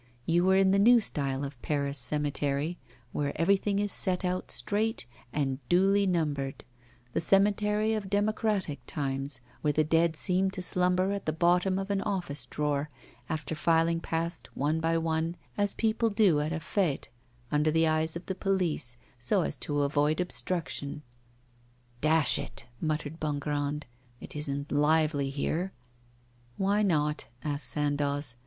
You were in the new style of Paris cemetery, where everything is set out straight and duly numbered the cemetery of democratic times, where the dead seem to slumber at the bottom of an office drawer, after filing past one by one, as people do at a fête under the eyes of the police, so as to avoid obstruction. 'Dash it!' muttered Bongrand, 'it isn't lively here.' 'Why not?' asked Sandoz.